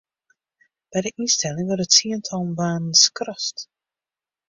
By de ynstelling wurde tsientallen banen skrast.